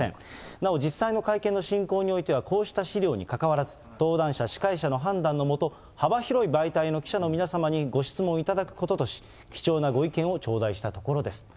なお実際の会見の進行においてはこうした資料にかかわらず、登壇者、司会者の判断のもと、幅広い媒体の記者の皆様にご質問いただくこととし、貴重なご意見を頂戴したところです。